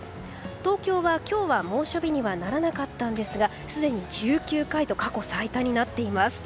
東京は今日は猛暑日にはならなかったんですがすでに１９回と過去最多になっています。